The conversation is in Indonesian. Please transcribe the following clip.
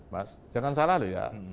mas jangan salah loh ya